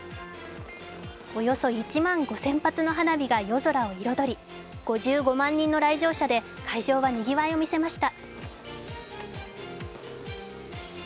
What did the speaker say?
およそ１万５０００発の花火が夜空を彩り５５万人の来場者で会場はにぎわいを見せました。